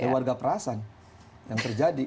warga perasan yang terjadi